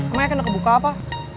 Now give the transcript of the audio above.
emang yakin ada kebuka apa